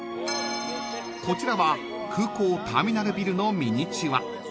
［こちらは空港ターミナルビルのミニチュア］